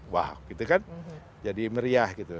wah gitu kan jadi meriah gitu